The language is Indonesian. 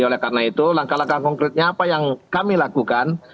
oleh karena itu langkah langkah konkretnya apa yang kami lakukan